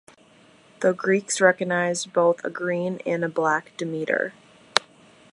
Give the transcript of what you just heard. The Greeks recognized both a Green and a Black Demeter.